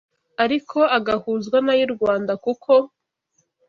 ariko agahuzwa n’ay’u Rwanda kuko